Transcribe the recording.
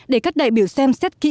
để các đại biểu xem xét kỹ quy định